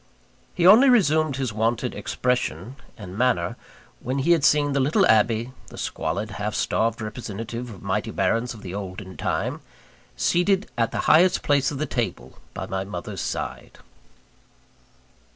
He only resumed his wonted expression and manner, when he had seen the little Abbe the squalid, half starved representative of mighty barons of the olden time seated at the highest place of the table by my mother's side.